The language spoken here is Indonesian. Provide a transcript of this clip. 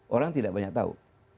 orang tidak banyak tahu